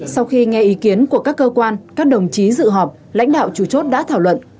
sau khi nghe ý kiến của các cơ quan các đồng chí dự họp lãnh đạo chủ chốt đã thảo luận